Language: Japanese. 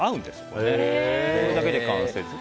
これだけで完成です。